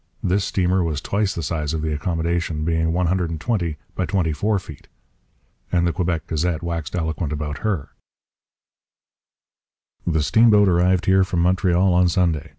This steamer was twice the size of the Accommodation, being 120 by 24 feet; and the Quebec Gazette waxed eloquent about her: The Steam Boat arrived here from Montreal on Sunday.